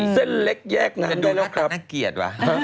เส้นเล็กแยกนั้นดูแล้วหน้าตาน่าเกียรติว่ะ